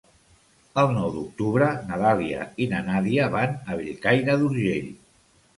El nou d'octubre na Dàlia i na Nàdia van a Bellcaire d'Urgell.